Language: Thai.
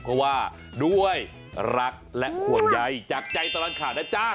เพราะว่าด้วยรักและห่วงใยจากใจตลอดข่าวนะจ๊ะ